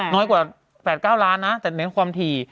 น้อยกว่า๘๙ล้านนะแต่เน้นความถี่